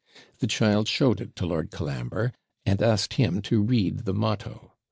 The child showed it to Lord Colambre, and asked him to read the motto.